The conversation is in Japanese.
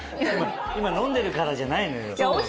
今飲んでるからじゃないのよ。